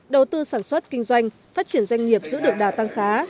đầu tư sản xuất kinh doanh phát triển doanh nghiệp giữ được đà tăng khá